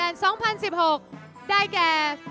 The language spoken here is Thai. หมายเลข๒นางสาวฟอนพิกุลทองลิ้มหรือสต๊อปค่ะ